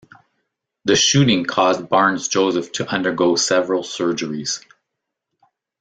The shooting caused Barnes-Joseph to undergo several surgeries.